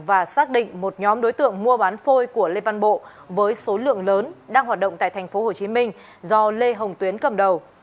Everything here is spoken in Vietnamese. và xác định một nhóm đối tượng mua bán phôi của lê văn bộ với số lượng lớn đang hoạt động tại tp hcm do lê hồng tuyến cầm đầu